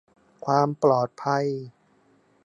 ความปลอดภัย